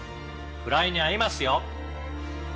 「フライに合いますよ！」